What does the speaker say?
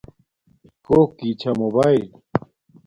کوکی چھا موباݵل